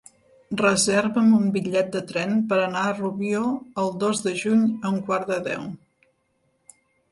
Reserva'm un bitllet de tren per anar a Rubió el dos de juny a un quart de deu.